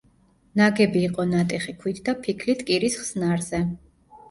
ნაგები იყო ნატეხი ქვით და ფიქლით კირის ხსნარზე.